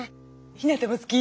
ひなたもすき？